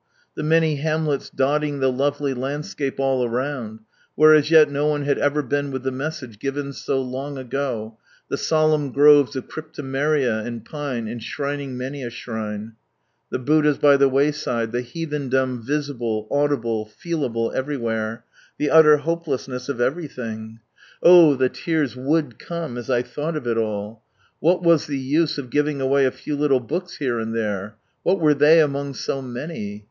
The many hamlets dotting the lovely landscape all around, where as yet no one had ever been with the message given so long ago, the solemn groves of Crypto meria and pine enshrining many a shrine, the Ijuddhas by the wayside, the heathendom visible, audible, feelahle everywhere, the utter hopelessness of every thing! Oh, the tears uva/ii come as I thought of it all! What was the use of giving away a few little books here and there ? What were they among so many